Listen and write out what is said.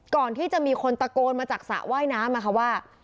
ก่อนที่จะมีคนตะโกนมาจากสระว่ายน้ำนะคะว่า